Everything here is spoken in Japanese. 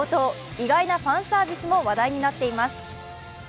意外なファンサービスも話題になっています。